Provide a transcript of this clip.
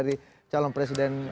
kita dengarkan dulu pernyataannya